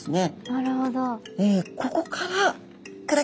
なるほど。